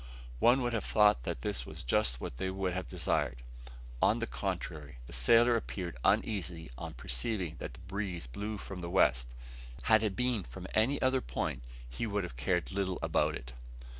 One would have thought that this was just what they should have desired. On the contrary, the sailor appeared uneasy on perceiving that the breeze blew from the west. Had it been from any other point he would have cared little about it.